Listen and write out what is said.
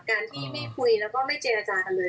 การที่ไม่คุยแล้วก็ไม่เจรจากันเลย